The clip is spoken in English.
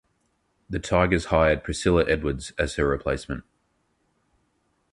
The Tigers hired Priscilla Edwards as her replacement.